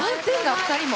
２人も！